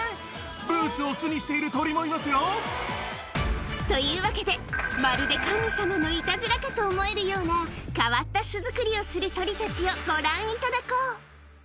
ブーツを巣にしている鳥もいますよ。というわけでまるで神様のイタズラかと思えるような変わった巣作りをする鳥たちをご覧いただこう